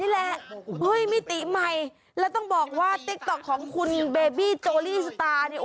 ค่าน้ำค่าไฟค่าชาวบ้าน